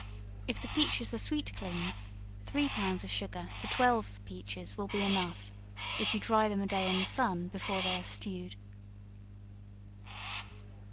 If the peaches are sweet clings, three pounds of sugar to twelve of peaches will be enough, if you dry them a day in the sun before they are stewed.